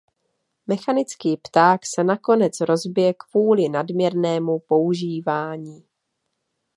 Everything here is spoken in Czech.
Mechanický pták se nakonec rozbije kvůli nadměrnému používání.